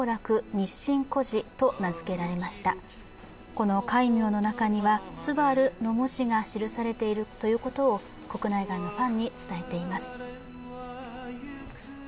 この戒名の中には「昂」の文字が記されているということを国内外のファンに伝えています。